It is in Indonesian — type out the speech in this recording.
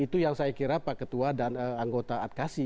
itu yang saya kira pak ketua dan anggota adkasi